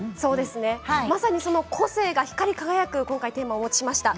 まさにその個性が光り輝くテーマをお持ちしました。